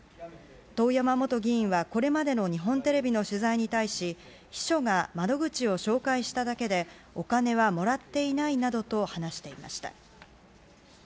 遠山元議員は、これまでの日本テレビの取材に対し秘書が窓口を紹介しただけでお金はもらっていないなどと話していました。